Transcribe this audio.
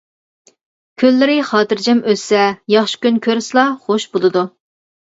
كۈنلىرى خاتىرجەم ئۆتسە، ياخشى كۈن كۆرسىلا خوش بولىدۇ.